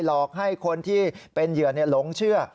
หลอกให้คนที่เป็นเหยื่อหลงเชื่อ